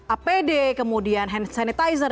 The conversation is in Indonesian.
apd kemudian hand sanitizer